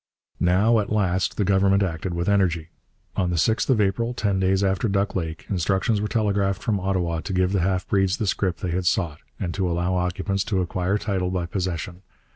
Now at last the Government acted with energy. On the 6th of April, ten days after Duck Lake, instructions were telegraphed from Ottawa to give the half breeds the scrip they had sought, and to allow occupants to acquire title by possession.